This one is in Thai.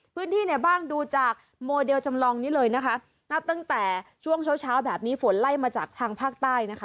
พื้นที่ไหนบ้างดูจากโมเดลจำลองนี้เลยนะคะนับตั้งแต่ช่วงเช้าเช้าแบบนี้ฝนไล่มาจากทางภาคใต้นะคะ